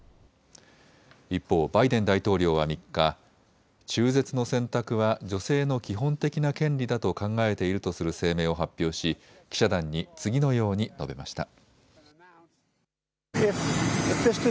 一方、バイデン大統領は３日、中絶の選択は女性の基本的な権利だと考えているとする声明を発表し記者団に次のように述べました。